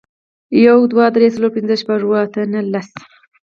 یو, دوه, درې, څلور, پنځه, شپږ, اووه, اته, نهه, لس